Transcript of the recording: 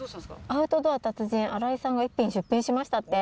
アウトドア達人、荒井さんが１品出品しましたって。